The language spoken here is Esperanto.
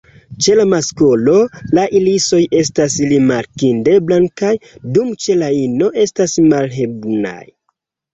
Ĉe la masklo, la irisoj estas rimarkinde blankaj, dum ĉe la ino estas malhelbrunaj.